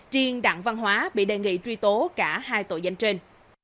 triên đặng văn hóa bị đề nghị truy tố cả hai tội danh trên